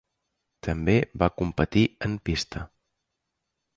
També va competir en pista.